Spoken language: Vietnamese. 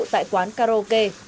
tại quán karaoke